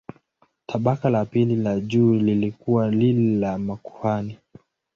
Tabaka la pili la juu lilikuwa lile la makuhani.